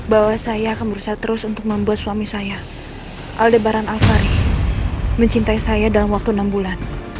bahwa saya akan berusaha terus untuk membuat suami saya aldebaran alfari mencintai saya dalam waktu enam bulan